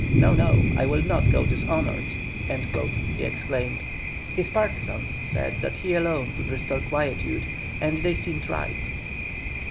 "No, no, I will not go dishonoured," he exclaimed. His partisans said that he alone could restore quietude, and they seemed right.